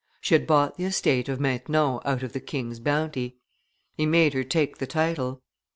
She had bought the estate of Maintenon out of the king's bounty. He made her take the title.